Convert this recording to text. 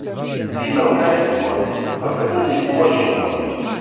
Imawlan-nwent qeblen zzwaj-nwent?